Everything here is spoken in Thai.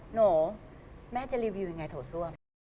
หนูแม่จะรีวิวยังไงโถส้วม